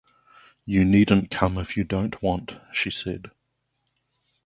“You needn’t come if you don’t want,” she said.